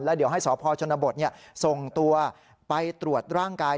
เดี๋ยวให้สพชนบทส่งตัวไปตรวจร่างกาย